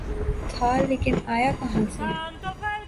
تھا‘ لیکن آیا کہاں سے؟